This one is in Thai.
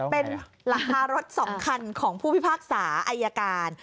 เป็นหลังคารถ๒คันของผู้พิพากษาอายการ